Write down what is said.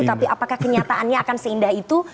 tapi apakah kenyataannya akan seindah itu